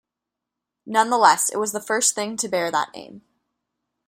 Nonetheless, it was the first thing to bear that name.